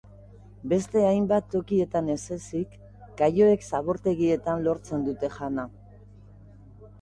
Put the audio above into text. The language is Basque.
Beste hainbat tokietan ez ezik, kaioek zabortegietan lortzen dute jana.